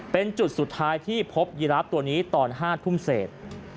เป็นจุดสุดท้ายที่พบยีราฟตัวนี้ตอน๕ทุ่มเศษ